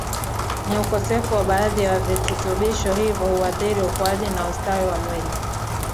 ni ukosefu wa baadhi ya vitutubisho hivi huadhiri ukuaji na ustawi wa mwili